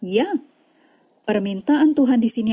ya permintaan tuhan di sini